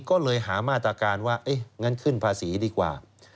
ก็เลยหามาตรการว่างั้นขึ้นภาษีดีกว่า